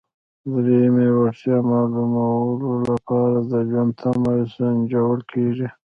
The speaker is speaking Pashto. د دریمې وړتیا معلومولو لپاره د ژوند تمه سنجول کیږي.